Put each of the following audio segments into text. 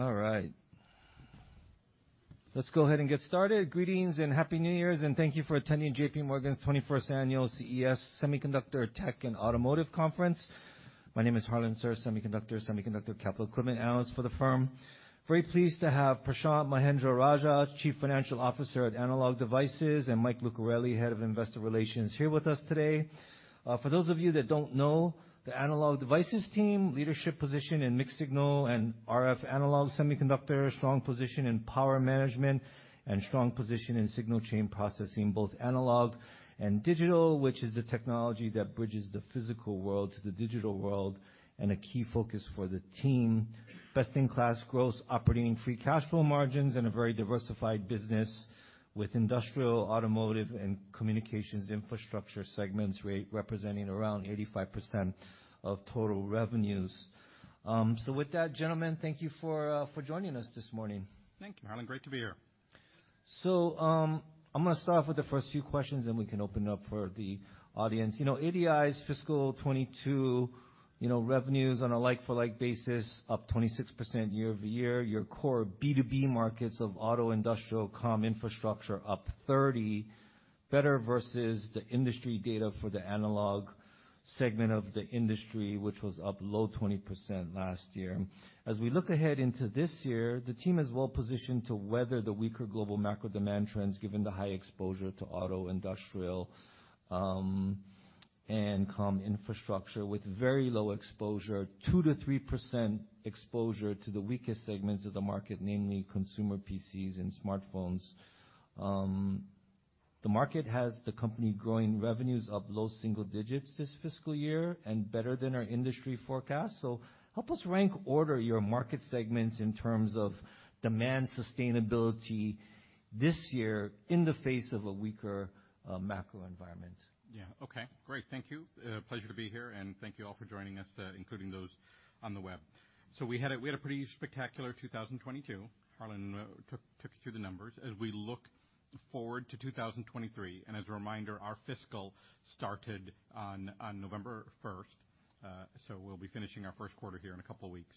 All right. Let's go ahead and get started. Greetings and Happy New Year, and thank you for attending JPMorgan's 21st annual CES Semiconductor Tech and Automotive Conference. My name is Harlan Sur, Semiconductor Capital Equipment Analyst for the firm. Very pleased to have Prashanth Mahendra-Rajah, Chief Financial Officer at Analog Devices, and Mike Lucarelli, Head of Investor Relations, here with us today. For those of you that don't know, the Analog Devices team, leadership position in mixed-signal and RF analog semiconductor, strong position in power management and strong position in signal chain processing, both analog and digital, which is the technology that bridges the physical world to the digital world and a key focus for the team. Best-in-class growth, operating free cash flow margins, and a very diversified business with industrial, automotive, and communications infrastructure segments re-representing around 85% of total revenues. With that, gentlemen, thank you for for joining us this morning. Thank you, Harlan. Great to be here. I'm gonna start off with the first few questions, then we can open it up for the audience. You know, ADI's FY2022, you know, revenues on a like-for-like basis, up 26% year-over-year. Your core B2B markets of automotive, industrial and communication infrastructure up 30%, better versus the industry data for the analog segment of the industry, which was up low 20% last year. As we look ahead into this year, the team is well-positioned to weather the weaker global macro demand trends given the high exposure to auto, industrial, and comm infrastructure, with very low exposure, 2%-3% exposure to the weakest segments of the market, namely consumer PCs and smartphones. The market has the company growing revenues up low single digits this fiscal year and better than our industry forecast. help us rank order your market segments in terms of demand sustainability this year in the face of a weaker macro environment. Yeah. Okay. Great. Thank you. Pleasure to be here, and thank you all for joining us, including those on the web. We had a pretty spectacular 2022. Harlan took you through the numbers. As we look forward to 2023, and as a reminder, our fiscal started on November first, so we'll be finishing our Q1 here in a couple of weeks.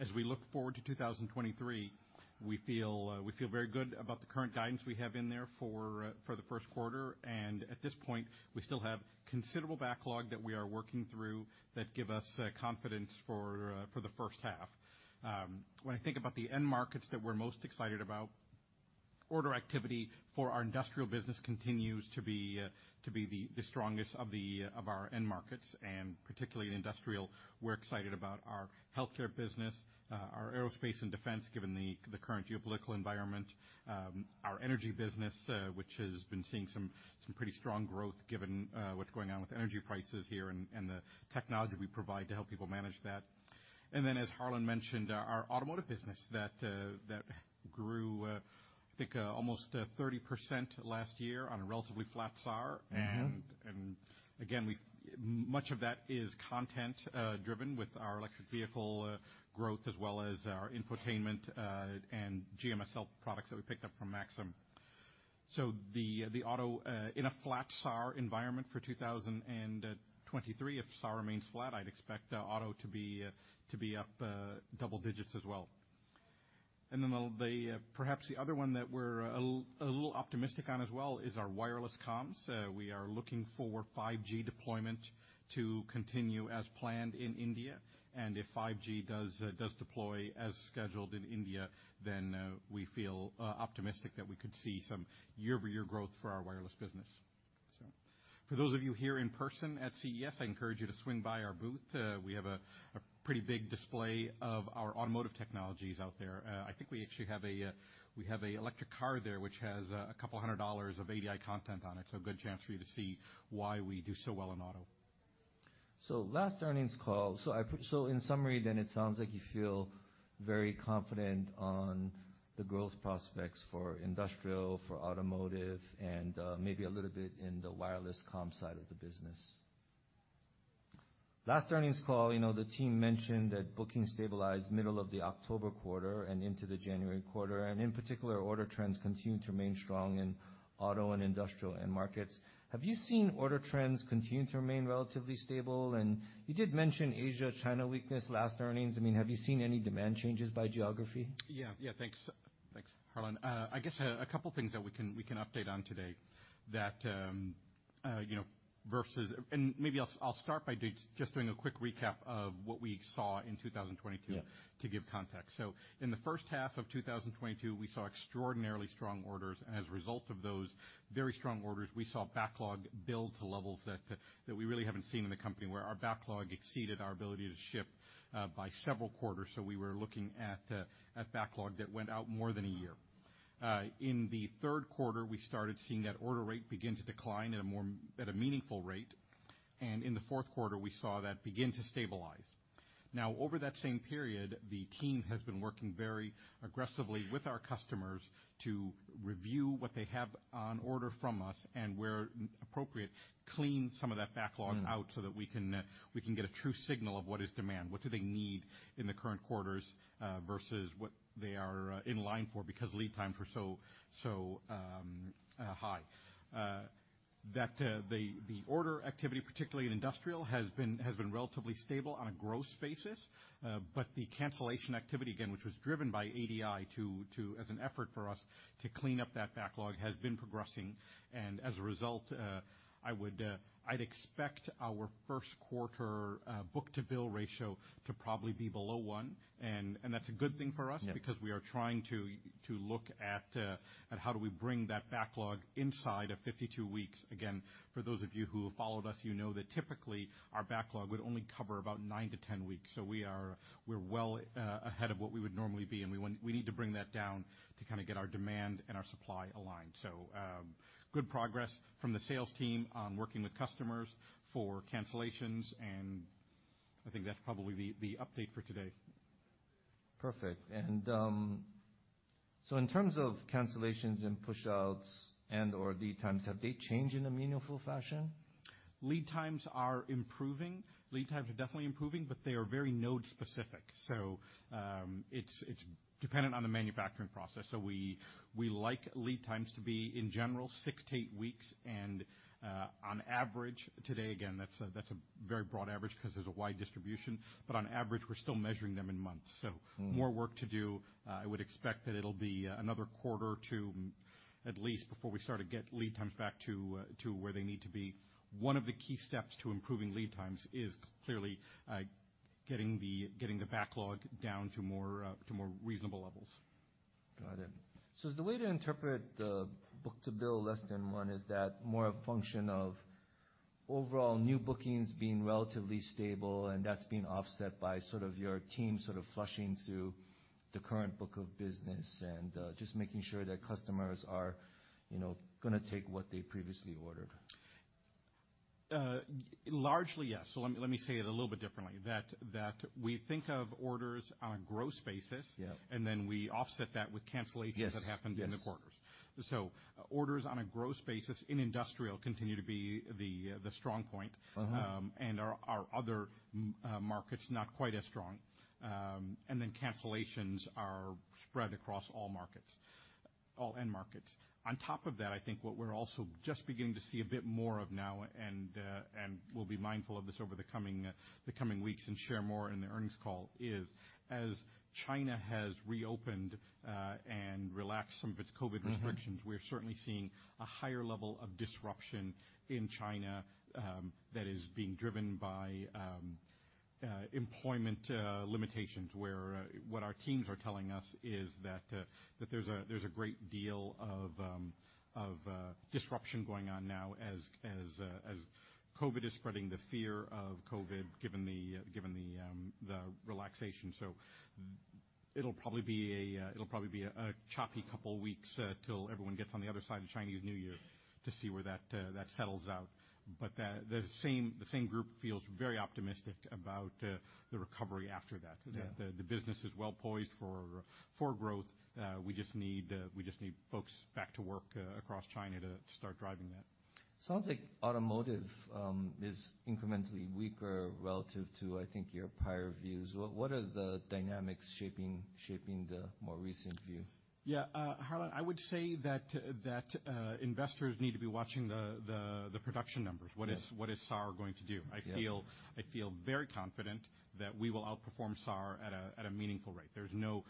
As we look forward to 2023, we feel very good about the current guidance we have in there for the Q1, and at this point, we still have considerable backlog that we are working through that give us confidence for the H1. When I think about the end markets that we're most excited about, order activity for our industrial business continues to be the strongest of our end markets, particularly in industrial, we're excited about our healthcare business, our aerospace and defense, given the current geopolitical environment, our energy business, which has been seeing some pretty strong growth given what's going on with energy prices here and the technology we provide to help people manage that. As Harlan mentioned, our automotive business that grew, I think, almost 30% last year on a relatively flat SAR. Mm-hmm. Again, we've much of that is content driven with our electric vehicle growth, as well as our infotainment and GMSL products that we picked up from Maxim. The auto in a flat SAR environment for 2023, if SAR remains flat, I'd expect auto to be up double digits as well. The perhaps the other one that we're a little optimistic on as well is our wireless comms. We are looking for 5G deployment to continue as planned in India. If 5G does deploy as scheduled in India, then we feel optimistic that we could see some year-over-year growth for our wireless business. For those of you here in person at CES, I encourage you to swing by our booth. We have a pretty big display of our automotive technologies out there. I think we actually have an electric car there which has a couple hundred dollars of ADI content on it, so a good chance for you to see why we do so well in auto. Last earnings call. In summary then, it sounds like you feel very confident on the growth prospects for industrial, for automotive, and maybe a little bit in the wireless comms side of the business. Last earnings call, you know, the team mentioned that bookings stabilized middle of the October quarter and into the January quarter, and in particular, order trends continued to remain strong in auto and industrial end markets. Have you seen order trends continue to remain relatively stable? You did mention Asia, China weakness last earnings. I mean, have you seen any demand changes by geography? Yeah. Yeah. Thanks. Thanks, Harlan. I guess a couple things that we can, we can update on today that, you know, versus... Maybe I'll start by just doing a quick recap of what we saw in 2022- Yeah. -to give context. In the H1 of 2022, we saw extraordinarily strong orders, and as a result of those very strong orders, we saw backlog build to levels that we really haven't seen in the company, where our backlog exceeded our ability to ship, by several quarters. We were looking at backlog that went out more than a year. In the third quarter, we started seeing that order rate begin to decline at a more, at a meaningful rate. In the fourth quarter, we saw that begin to stabilize. Now, over that same period, the team has been working very aggressively with our customers to review what they have on order from us and where appropriate, clean some of that backlog- Mm. -out so that we can get a true signal of what is demand, what do they need in the current quarters, versus what they are in line for because lead time for so high. The order activity, particularly in industrial, has been relatively stable on a growth basis. The cancellation activity, again, which was driven by ADI as an effort for us to clean up that backlog, has been progressing. As a result, I would expect our Q1 book-to-bill ratio to probably be below 1. That's a good thing for us- Yeah. We are trying to look at how do we bring that backlog inside of 52 weeks. Again, for those of you who have followed us, you know that typically our backlog would only cover about nine to 10 weeks. We are, we're well ahead of what we would normally be, and we need to bring that down to kinda get our demand and our supply aligned. Good progress from the sales team on working with customers for cancellations, and I think that's probably the update for today. Perfect. In terms of cancellations and pushouts and/or lead times, have they changed in a meaningful fashion? Lead times are improving. Lead times are definitely improving, but they are very node specific. It's, it's dependent on the manufacturing process. We, we like lead times to be, in general, six to eight weeks. On average, today, again, that's a, that's a very broad average 'cause there's a wide distribution, but on average, we're still measuring them in months. Mm-hmm. More work to do. I would expect that it'll be another quarter to at least before we start to get lead times back to where they need to be. One of the key steps to improving lead times is clearly, getting the backlog down to more, to more reasonable levels. Got it. Is the way to interpret the book-to-bill less than one, is that more a function of overall new bookings being relatively stable, and that's being offset by sort of your team sort of flushing through the current book of business and just making sure that customers are, you know, gonna take what they previously ordered? largely, yes. Let me say it a little bit differently. That we think of orders on a gross basis. Yeah. We offset that with cancellations. Yes. Yes. -that happened in the quarters. Orders on a gross basis in industrial continue to be the strong point. Uh-huh. Our other markets not quite as strong. Cancellations are spread across all markets, all end markets. On top of that, I think what we're also just beginning to see a bit more of now and we'll be mindful of this over the coming weeks and share more in the earnings call is, as China has reopened and relaxed some of its COVID-19 restrictions. Mm-hmm we're certainly seeing a higher level of disruption in China, that is being driven by employment limitations. Where what our teams are telling us is that there's a great deal of disruption going on now as COVID-19 is spreading, the fear of COVID-19, given the relaxation. It'll probably be a choppy couple of weeks till everyone gets on the other side of Chinese New Year to see where that settles out. The same group feels very optimistic about the recovery after that. Yeah. The business is well poised for growth. We just need folks back to work, across China to start driving that. Sounds like automotive is incrementally weaker relative to, I think, your prior views. What are the dynamics shaping the more recent view? Harlan, I would say that investors need to be watching the production numbers. Yeah. What is SAAR going to do? Yeah. I feel very confident that we will outperform SAAR at a meaningful rate. There's no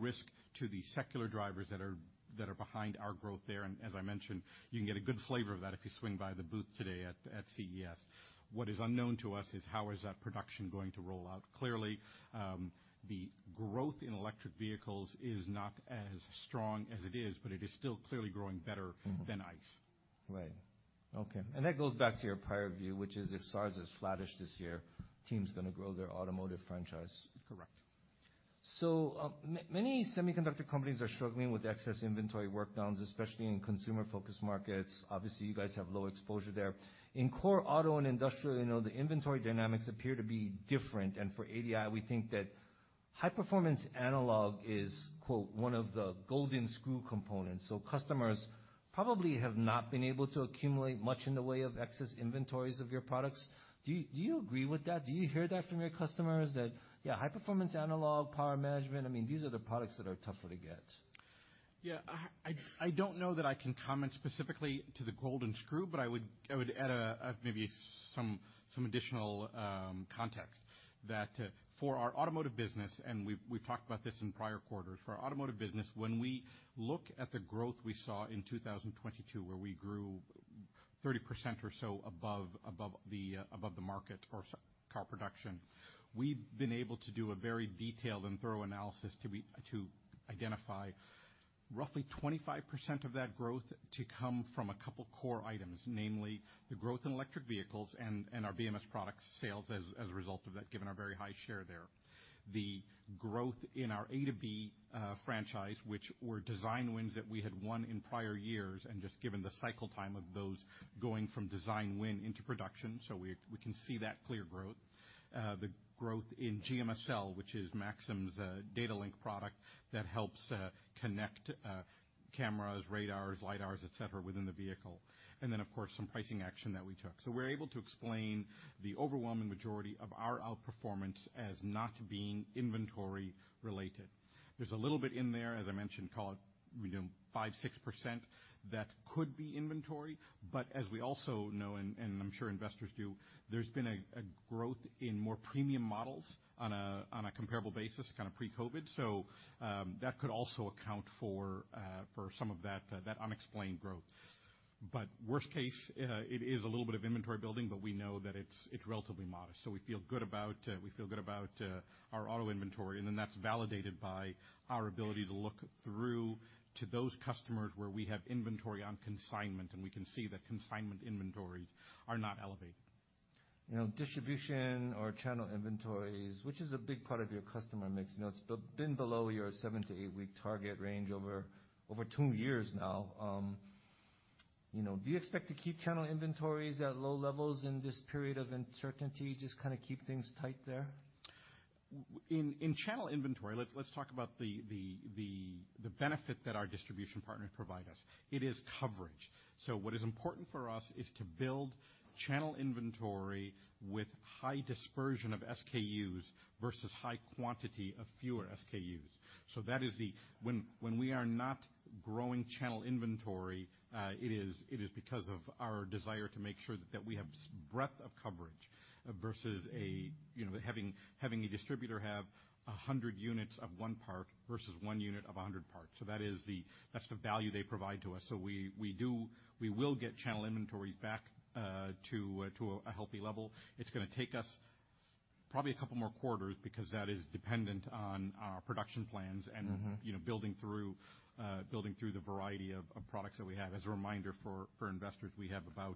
risk to the secular drivers that are behind our growth there. As I mentioned, you can get a good flavor of that if you swing by the booth today at CES. What is unknown to us is how is that production going to roll out. Clearly, the growth in electric vehicles is not as strong as it is, but it is still clearly growing. Mm-hmm. -than ICE. Right. Okay. That goes back to your prior view, which is if SAAR is flattish this year, team's gonna grow their automotive franchise. Correct. Many semiconductor companies are struggling with excess inventory work downs, especially in consumer focused markets. Obviously, you guys have low exposure there. In core auto and industrial, you know, the inventory dynamics appear to be different. For ADI, we think that high performance analog is one of the golden screw components. Customers probably have not been able to accumulate much in the way of excess inventories of your products. Do you agree with that? Do you hear that from your customers that, yeah, high performance analog, power management, I mean, these are the products that are tougher to get? I don't know that I can comment specifically to the golden screw, but I would add maybe some additional context. For our automotive business, and we've talked about this in prior quarters. For our automotive business, when we look at the growth we saw in 2022, where we grew 30% or so above the market or car production, we've been able to do a very detailed and thorough analysis to identify roughly 25% of that growth to come from a couple core items. Namely, the growth in electric vehicles and our BMS products sales as a result of that, given our very high share there. The growth in our A2B franchise, which were design-wins that we had won in prior years, and just given the cycle time of those going from design-win into production. We can see that clear growth. The growth in GMSL, which is Maxim's data-link product that helps connect cameras, radars, LiDAR, et cetera, within the vehicle. Of course, some pricing action that we took. We're able to explain the overwhelming majority of our outperformance as not being inventory related. There's a little bit in there, as I mentioned, call it, you know, 5%-6% that could be inventory. As we also know, and I'm sure investors do, there's been a growth in more premium models on a comparable basis, kind of pre-COVID-19. That could also account for some of that unexplained growth. Worst case, it is a little bit of inventory building, but we know that it's relatively modest. We feel good about our auto inventory, and then that's validated by our ability to look through to those customers where we have inventory on consignment, and we can see that consignment inventories are not elevated. You know, distribution or channel inventories, which is a big part of your customer mix. You know, it's been below your seven to eight-week target range over two years now. You know, do you expect to keep channel inventories at low levels in this period of uncertainty? Just kind of keep things tight there? In channel inventory, let's talk about the benefit that our distribution partners provide us. It is coverage. What is important for us is to build channel inventory with high dispersion of SKUs versus high quantity of fewer SKUs. That is the. When we are not growing channel inventory, it is because of our desire to make sure that we have breadth of coverage versus, you know, having a distributor have 100 units of one part versus one unit of 100 parts. That is the, that's the value they provide to us. We will get channel inventories back to a healthy level. It's gonna take us probably a couple more quarters because that is dependent on our production plans. Mm-hmm. You know, building through the variety of products that we have. As a reminder for investors, we have about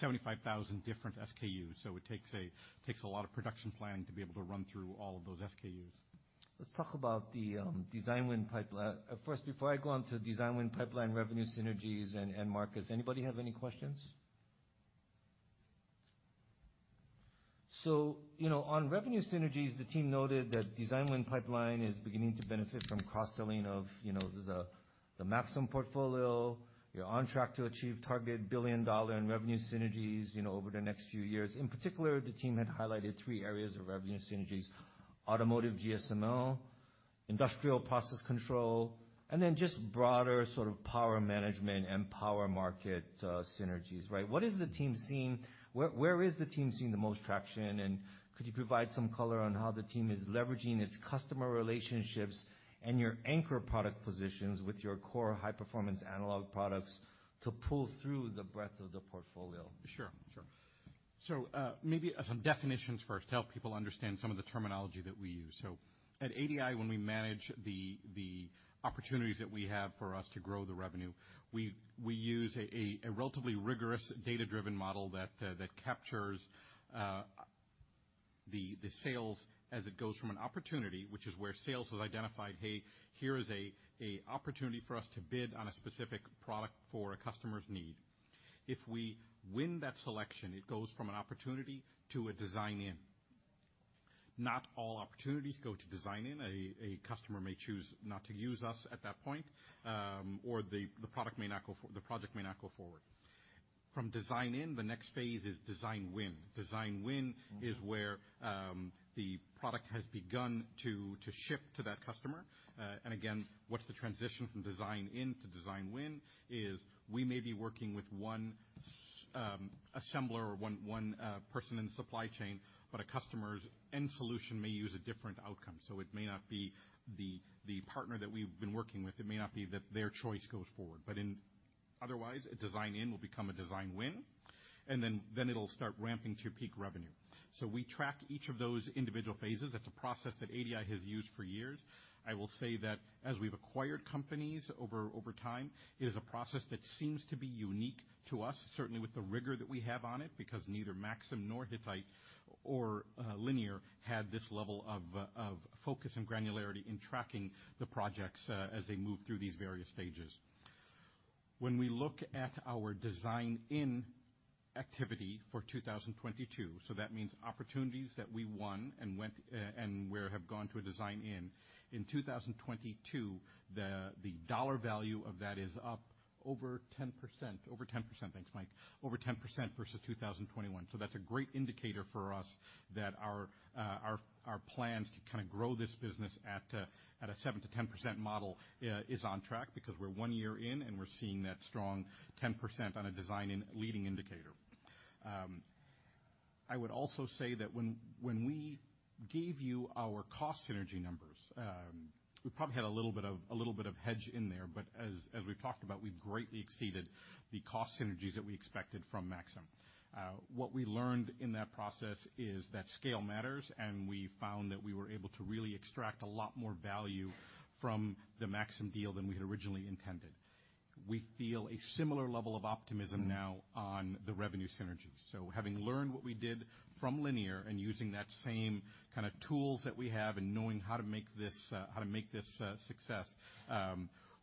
75,000 different SKUs. It takes a lot of production planning to be able to run through all of those SKUs. Let's talk about the design win pipeline. Of course, before I go on to design win pipeline revenue synergies and end markets, anybody have any questions? You know, on revenue synergies, the team noted that design win pipeline is beginning to benefit from cross-selling of the Maxim portfolio. You're on track to achieve target $1 billion in revenue synergies, you know, over the next few years. In particular, the team had highlighted three areas of revenue synergies: automotive GMSL, industrial process control, and then just broader sort of power management and power market synergies, right? What is the team seeing? Where is the team seeing the most traction? Could you provide some color on how the team is leveraging its customer relationships and your anchor product positions with your core high-performance analog products to pull through the breadth of the portfolio? Sure. Maybe some definitions first to help people understand some of the terminology that we use. At ADI, when we manage the opportunities that we have for us to grow the revenue, we use a relatively rigorous data-driven model that captures the sales as it goes from an opportunity, which is where sales has identified, hey, here is a opportunity for us to bid on a specific product for a customer's need. If we win that selection, it goes from an opportunity to a design-in. Not all opportunities go to design-in. A customer may choose not to use us at that point, or the product may not go for-- the project may not go forward. From design-in, the next phase is design-win. Design-win. Mm-hmm. Is where the product has begun to ship to that customer. Again, what's the transition from design-in to design-win is we may be working with one assembler or one person in the supply chain, but a customer's end solution may use a different outcome. It may not be the partner that we've been working with, it may not be that their choice goes forward. In otherwise, a design-in will become a design-win, and then it'll start ramping to peak revenue. We track each of those individual phases. That's a process that ADI has used for years. I will say that as we've acquired companies over time, it is a process that seems to be unique to us, certainly with the rigor that we have on it, because neither Maxim nor Hittite nor Linear had this level of focus and granularity in tracking the projects as they move through these various stages. When we look at our design-in activity for 2022, that means opportunities that we won and went and where have gone to a design-in. In 2022, the dollar value of that is up over 10%. Over 10%. Thanks, Mike. Over 10% versus 2021. That's a great indicator for us that our plans to kind of grow this business at a 7%-10% model is on track because we're one year in, and we're seeing that strong 10% on a design-in leading indicator. I would also say that when we gave you our cost synergy numbers, we probably had a little bit of hedge in there, but as we've talked about, we've greatly exceeded the cost synergies that we expected from Maxim. What we learned in that process is that scale matters, and we found that we were able to really extract a lot more value from the Maxim deal than we had originally intended. We feel a similar level of optimism. Mm. On the revenue synergies. Having learned what we did from Linear and using that same kind of tools that we have and knowing how to make this success,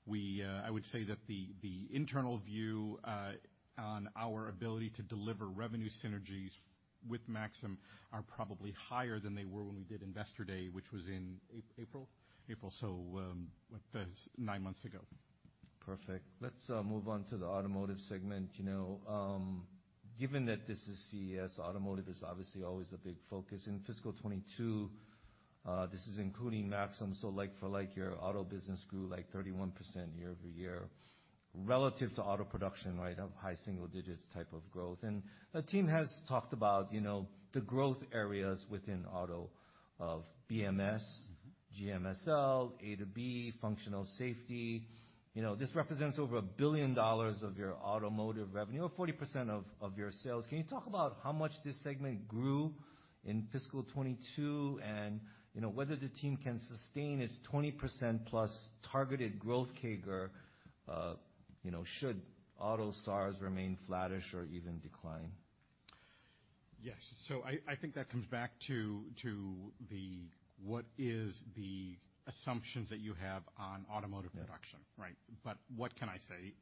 we, I would say that the internal view, on our ability to deliver revenue synergies with Maxim are probably higher than they were when we did Investor Day, which was in April. That's nine months ago. Perfect. Let's move on to the automotive segment. Given that this is CES, automotive is obviously always a big focus. In FY2022. This is including Maxim. Like for like your auto business grew like 31% year-over-year relative to auto production, right? Of high single digits type of growth. The team has talked about, you know, the growth areas within auto of BMS, GMSL, A2B, functional safety. You know, this represents over $1 billion of your automotive revenue or 40% of your sales. Can you talk about how much this segment grew in FY2022 and, you know, whether the team can sustain its 20% plus targeted growth CAGR, you know, should auto SAAR remain flattish or even decline? Yes. I think that comes back to the what is the assumptions that you have on automotive production. Yeah. Right? What can I say,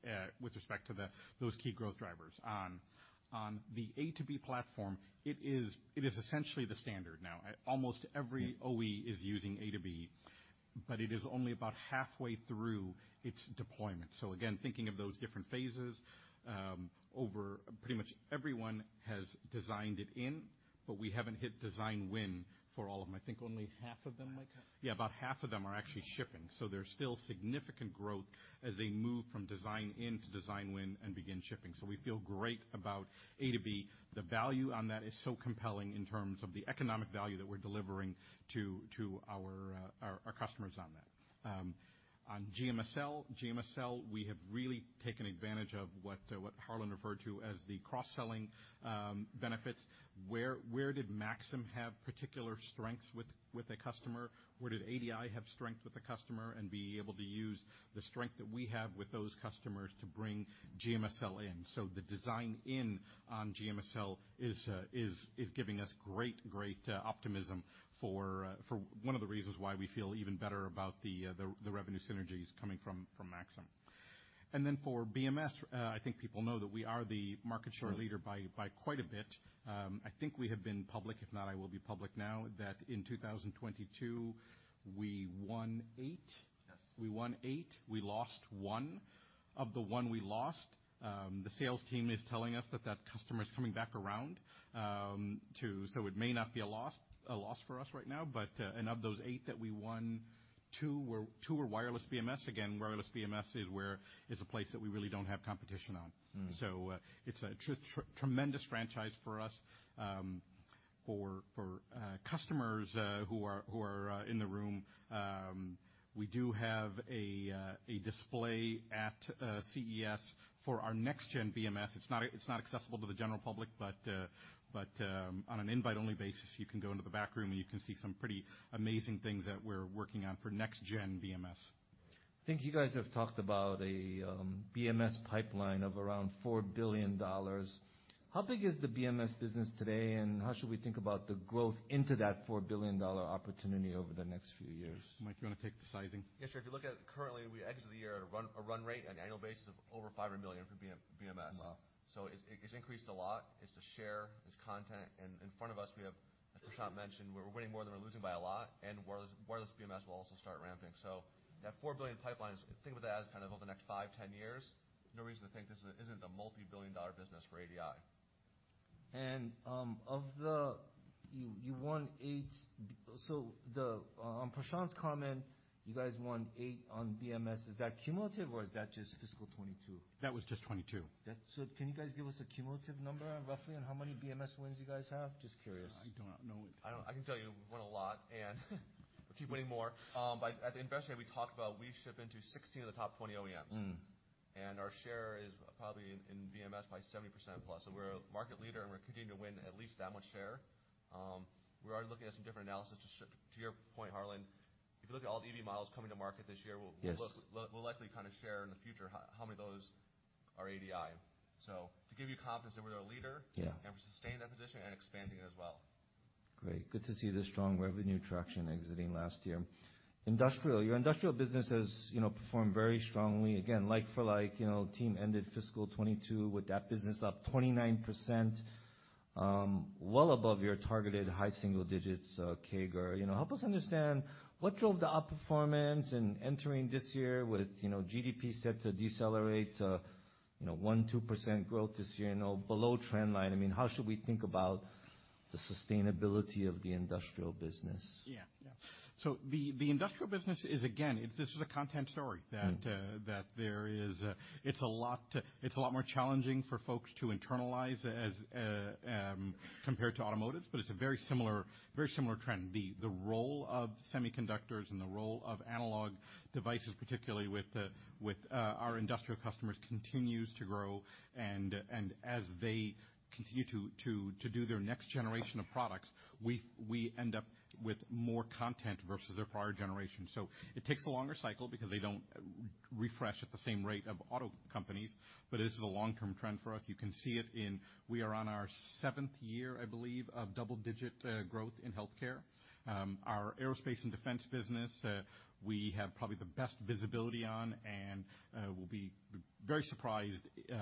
with respect to those key growth drivers. On the A2B platform, it is essentially the standard now. Almost every- Yeah... OE is using A2B, but it is only about halfway through its deployment. Again, thinking of those different phases, over pretty much everyone has designed it in, but we haven't hit design-win for all of them. I think only half of them, Mike? Yeah. About half of them are actually shipping, there's still significant growth as they move from design-in to design-win and begin shipping. We feel great about A2B. The value on that is so compelling in terms of the economic value that we're delivering to our customers on that. On GMSL, we have really taken advantage of what Harlan referred to as the cross-selling benefits. Where did Maxim have particular strengths with a customer? Where did ADI have strength with a customer and be able to use the strength that we have with those customers to bring GMSL in? The design-in on GMSL is giving us great optimism for one of the reasons why we feel even better about the revenue synergies coming from Maxim. For BMS, I think people know that we are the market share leader by quite a bit. I think we have been public, if not, I will be public now, that in 2022, we won eight. Yes. We won eight, we lost one, the sales team is telling us that that customer is coming back around to... It may not be a loss for us right now, but of those eight that we won, two were Wireless BMS. Again, Wireless BMS is a place that we really don't have competition on. Mm-hmm. It's a tremendous franchise for us. For customers who are in the room, we do have a display at CES for our next gen BMS. It's not accessible to the general public, but on an invite-only basis, you can go into the back room, and you can see some pretty amazing things that we're working on for next gen BMS. I think you guys have talked about a BMS pipeline of around $4 billion. How big is the BMS business today, and how should we think about the growth into that $4 billion opportunity over the next few years? Mike, you wanna take the sizing? Yeah, sure. If you look at currently, we exit the year at a run rate on an annual basis of over $500 million for BMS. Wow.It's increased a lot. It's the share, it's content. In front of us, we have, as Prashant mentioned, we're winning more than we're losing by a lot and wireless BMS will also start ramping. That $4 billion pipelines, think about that as kind of over the next five to ten years. No reason to think this isn't a multi-billion dollar business for ADI. You won eight. On Prashanth's comment, you guys won eight on BMS, is that cumulative, or is that just FY2022? That was just 2022. Can you guys give us a cumulative number roughly on how many BMS wins you guys have? Just curious. I do not know it.I can tell you we won a lot, and we'll keep winning more. At the Investor Day, we talked about we ship into 16 of the top 20 OEMs. Mm. Our share is probably in BMS by 70% plus. We're a market leader, and we're continuing to win at least that much share. We are looking at some different analysis to To your point, Harlan, if you look at all the EV models coming to market this year- Yes... we'll likely kind of share in the future how many of those are ADI. To give you confidence that we're a leader- Yeah We sustain that position and expanding it as well. Great. Good to see the strong revenue traction exiting last year. Industrial. Your industrial business has, you know, performed very strongly. Again, like for like, you know, the team ended fiscal 2022 with that business up 29%, well above your targeted high single digits CAGR. You know, help us understand what drove the outperformance and entering this year with, you know, GDP set to decelerate, you know, 1%-2% growth this year, below trend line. I mean, how should we think about the sustainability of the industrial business? Yeah. The industrial business is again, this is a content story that there is, it's a lot more challenging for folks to internalize as compared to automotive, but it's a very similar trend. The role of semiconductors and the role of Analog Devices, particularly with our industrial customers, continues to grow. As they continue to do their next generation of products, we end up with more content versus their prior generation. It takes a longer cycle because they don't refresh at the same rate of automotive companies, but it is a long-term trend for us. You can see it in. We are on our seventh year, I believe, of double-digit growth in healthcare. Our aerospace and defense business, we have probably the best visibility on and will be very surprised, you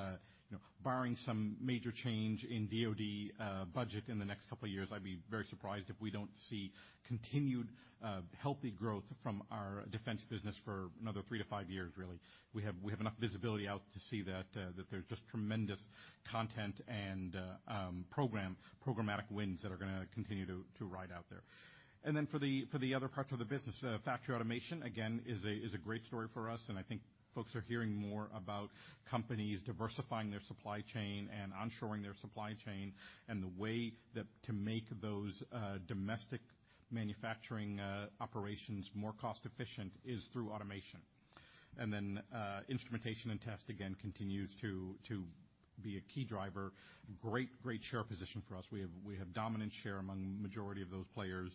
know, barring some major change in DoD budget in the next couple of years, I'd be very surprised if we don't see continued healthy growth from our defense business for another three to years, really. We have enough visibility out to see that there's just tremendous content and programmatic wins that are gonna continue to ride out there. Then for the other parts of the business, factory automation, again, is a great story for us, and I think folks are hearing more about companies diversifying their supply chain and onshoring their supply chain, and the way that to make those domestic manufacturing operations more cost-efficient is through automation. Then instrumentation and test again continues to be a key driver. Great share position for us. We have dominant share among majority of those players,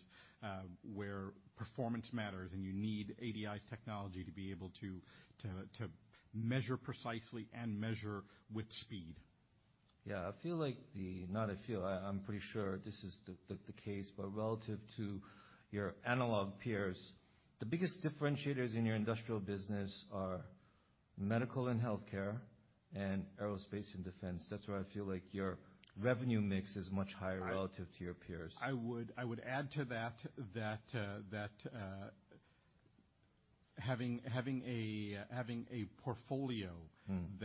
where performance matters and you need ADI's technology to be able to measure precisely and measure with speed. Yeah. I'm pretty sure this is the case. Relative to your Analog peers, the biggest differentiators in your industrial business are medical and healthcare and aerospace and defense. That's where I feel like your revenue mix is much higher- I- relative to your peers. I would add to that having a portfolio- Mm.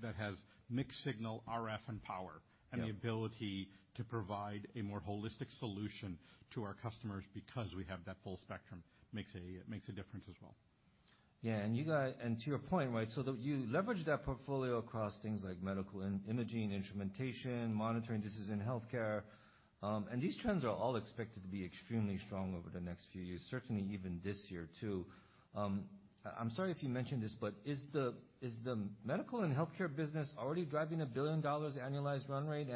that has mixed-signal RF and power. Yeah. The ability to provide a more holistic solution to our customers because we have that full spectrum it makes a difference as well. Yeah. To your point, right, You leverage that portfolio across things like medical imaging, instrumentation, monitoring. This is in healthcare. These trends are all expected to be extremely strong over the next few years, certainly even this year too. I'm sorry if you mentioned this, but is the medical and healthcare business already driving a $1 billion annualized run rate?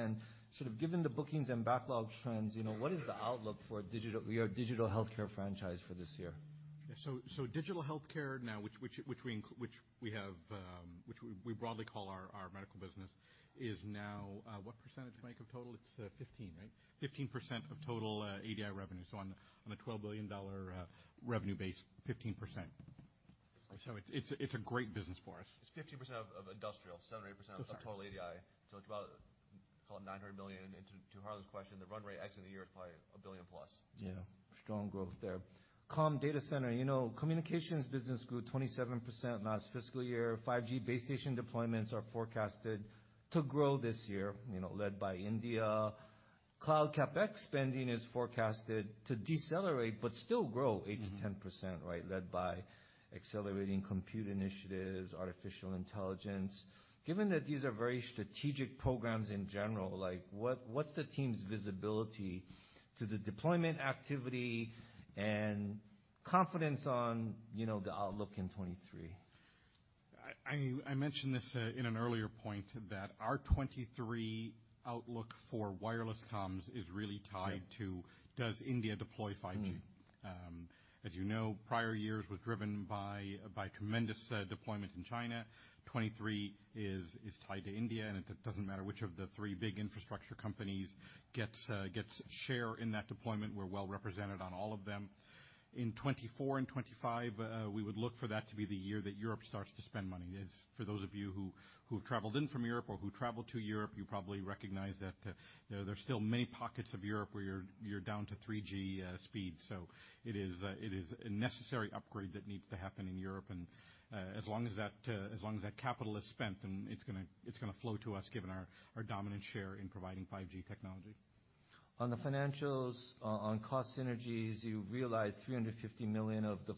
Sort of given the bookings and backlog trends, you know, what is the outlook for digital, your digital healthcare franchise for this year? Yeah. Digital healthcare now, which we have, which we broadly call our medical business, is now what percentage, Mike, of total? It's 15% of total ADI revenue. On a $12 billion revenue base, 15%. It's a great business for us. It's 15% of industrial. 7% or 8%... Oh, sorry. -of total ADI. It's about, call it $900 million. To Harlan's question, the run rate exit in the year is probably $1 billion plus. Yeah. Strong growth there. Comm data center. You know, communications business grew 27% last fiscal year. 5G base station deployments are forecasted to grow this year, you know, led by India. Cloud CapEx spending is forecasted to decelerate but still grow 8%-10%, right, led by accelerating compute initiatives, artificial intelligence. Given that these are very strategic programs in general, like, what's the team's visibility to the deployment activity and confidence on, you know, the outlook in 2023? I mentioned this in an earlier point that our 2023 outlook for wireless comms is really tied. Yeah. to does India deploy 5G? Mm. As you know, prior years was driven by tremendous deployment in China. 2023 is tied to India, and it doesn't matter which of the three big infrastructure companies gets share in that deployment. We're well-represented on all of them. In 2024 and 2025, we would look for that to be the year that Europe starts to spend money. As for those of you who've traveled in from Europe or who travel to Europe, you probably recognize that there's still many pockets of Europe where you're down to 3G speed. It is a necessary upgrade that needs to happen in Europe. As long as that, as long as that capital is spent, then it's gonna flow to us given our dominant share in providing 5G technology. On the financials, on cost synergies, you realized $350 million of the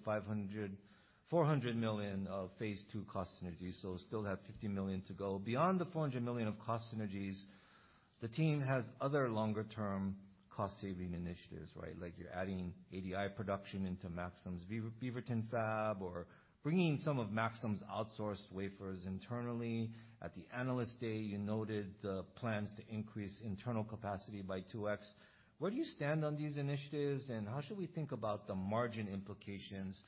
$400 million of phase two cost synergies, so still have $50 million to go. Beyond the $400 million of cost synergies, the team has other longer term cost-saving initiatives, right? Like you're adding ADI production into Maxim's Beaverton fab or bringing some of Maxim's outsourced wafers internally. At the Analyst Day, you noted plans to increase internal capacity by 2.0x. Where do you stand on these initiatives, and how should we think about the margin implications,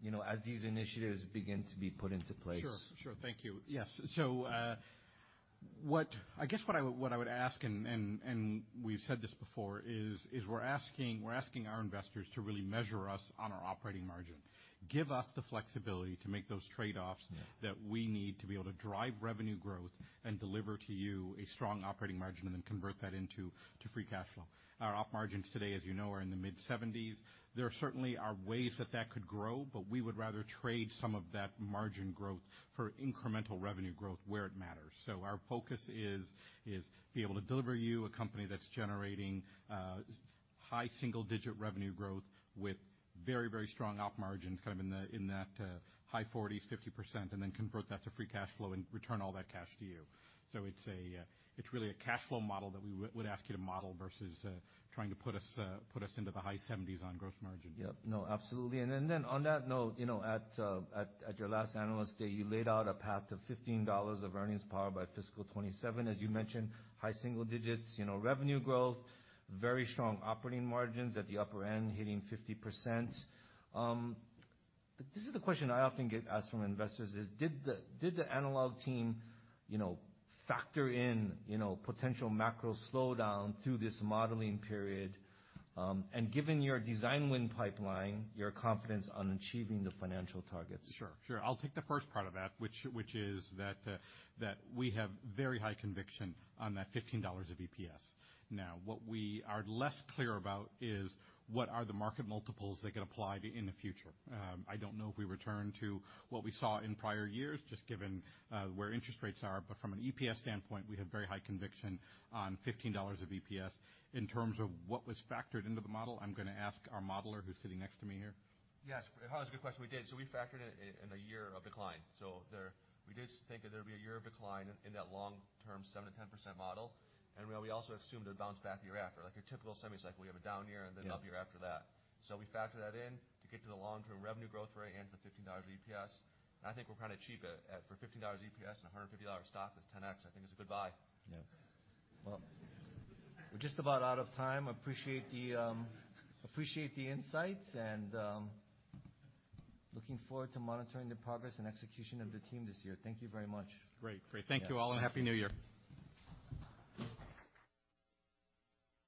you know, as these initiatives begin to be put into place? Sure. Thank you. Yes. I guess what I would ask, and we've said this before, is we're asking our investors to really measure us on our operating margin. Give us the flexibility to make those trade-offs... Yeah. That we need to be able to drive revenue growth and deliver to you a strong operating margin and then convert that into free cash flow. Our op margins today, as you know, are in the mid-70s%. There certainly are ways that could grow, but we would rather trade some of that margin growth for incremental revenue growth where it matters. Our focus is be able to deliver you a company that's generating high single-digit revenue growth with very, very strong op margins, kind of in the high 40%-50%, and then convert that to free cash flow and return all that cash to you. It's a, it's really a cash flow model that we would ask you to model versus trying to put us into the high 70s% on gross margin. Yep. No, absolutely. On that note, you know, at your last Analyst Day, you laid out a path to $15 of earnings power by fiscal 2027. As you mentioned, high single digits, you know, revenue growth, very strong operating margins at the upper end hitting 50%. This is the question I often get asked from investors is did the analog team, you know, factor in, you know, potential macro slowdown through this modeling period? Given your design-win pipeline, your confidence on achieving the financial targets? Sure. Sure. I'll take the first part of that, which is that we have very high conviction on that $15 of EPS. Now, what we are less clear about is what are the market multiples that get applied in the future. I don't know if we return to what we saw in prior years, just given, where interest rates are. From an EPS standpoint, we have very high conviction on $15 of EPS. In terms of what was factored into the model, I'm gonna ask our modeler who's sitting next to me here. Yes. Harlan, that's a good question. We did. We factored it in a year of decline. There, we did think that there'd be a year of decline in that long-term 7%-10% model. You know, we also assumed it would bounce back the year after. Like your typical semi cycle, you have a down year... Yeah. Up year after that. We factor that in to get to the long-term revenue growth rate and to the $15 of EPS. I think we're kinda cheap at for $15 EPS and a $150 stock, that's 10.0x. I think it's a good buy. Yeah. Well, we're just about out of time. Appreciate the, appreciate the insights and, looking forward to monitoring the progress and execution of the team this year. Thank you very much. Great. Thank you all. Happy New Year.